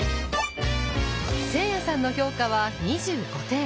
せいやさんの評価は２５点。